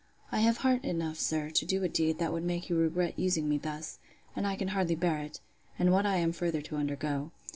I have heart enough, sir, to do a deed that would make you regret using me thus; and I can hardly bear it, and what I am further to undergo.